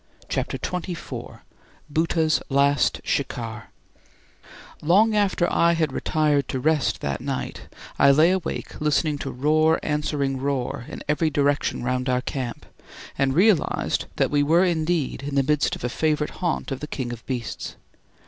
CHAPTER XXIV BHOOTA'S LAST SHIKAR Long after I had retired to rest that night I lay awake listening to roar answering roar in every direction round our camp, and realised that we were indeed in the midst of a favourite haunt of the king of beasts.